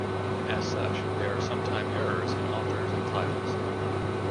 As such, there are sometime errors in authors and titles.